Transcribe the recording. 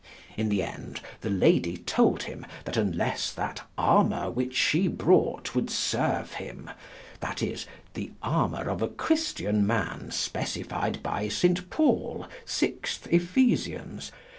In the end the lady told him, that unlesse that armour which she brought would serve him (that is, the armour of a Christian man specified by Saint Paul, vi. Ephes.)